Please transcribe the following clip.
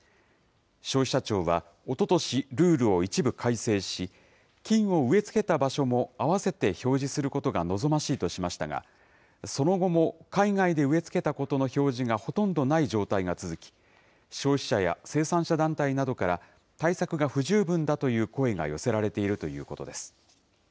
消費者庁は、おととし、ルールを一部改正し、菌を植え付けた場所も併せて表示することが望ましいとしましたが、その後も海外で植え付けたことの標示がほとんどない状態が続き、消費者や生産者団体などから、対策が不十分だという声が寄せられているということです。